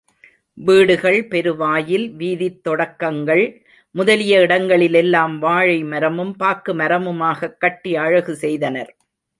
வீடுகள், பெரு வாயில், வீதித் தொடக்கங்கள், முதலிய இடங்களிலெல்லாம் வாழை மரமும் பாக்கு மரமுமாகக் கட்டி அழகு செய்தனர்.